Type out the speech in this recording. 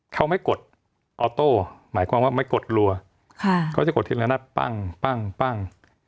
เขาไม่กดออโต้หมายความว่าไม่กดรัวเขาจะกดทีละนัดปั้งปั้ง